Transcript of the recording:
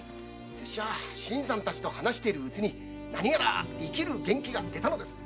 拙者は新さんたちと話しているうちに何やら生きる元気が出たのです。